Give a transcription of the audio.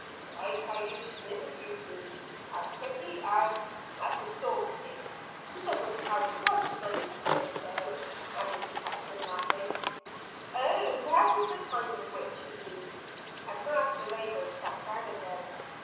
But I tell you she is a beauty as pretty as, as the Storm King! She doesn't carry quite as many petticoats though," added the Captain laughing. "Oh! That is the kind of witch you mean!" and Master Raymond sat down again.